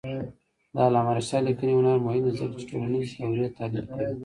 د علامه رشاد لیکنی هنر مهم دی ځکه چې ټولنیز دورې تحلیل کوي.